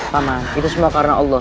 aman itu semua karena allah